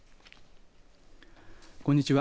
こんにちは。